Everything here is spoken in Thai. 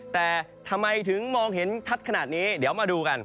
แต่ทำไมถึงมองเห็นชัดขนาดนี้เดี๋ยวมาดูกัน